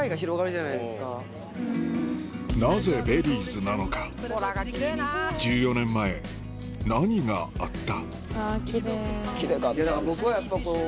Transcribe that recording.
なぜベリーズなのか１４年前何があった？